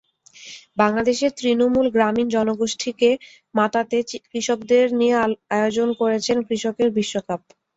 বাংলাদেশের তৃণমূল গ্রামীণ জনগোষ্ঠীকে মাতাতে কৃষকদের নিয়ে আয়োজন করেছেন কৃষকের বিশ্বকাপ।